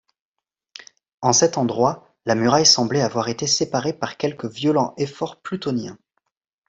En cet endroit, la muraille semblait avoir été séparée par quelque violent effort plutonien.